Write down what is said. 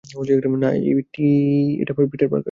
না, এটা Peter Parker.